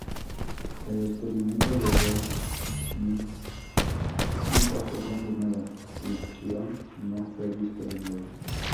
El descubrimiento de Goldschmidt nunca fue confirmado y Quirón no fue visto de nuevo.